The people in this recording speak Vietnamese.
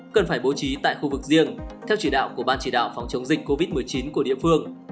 cần phải bố trí tại khu vực riêng theo chỉ đạo của ban chỉ đạo phòng chống dịch covid một mươi chín của địa phương